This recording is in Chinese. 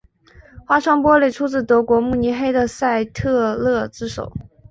花窗玻璃出自德国慕尼黑的赛特勒之手。